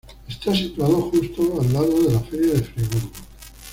Está situado justo al lado de la Feria de Friburgo.